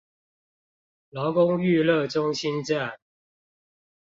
勞工育樂中心站